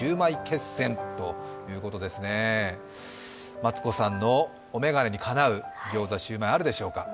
マツコさんのお眼鏡にかなうギョーザ、シューマイあるでしょうか？